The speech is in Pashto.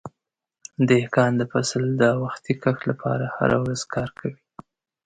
دهقان د فصل د وختي کښت لپاره هره ورځ کار کوي.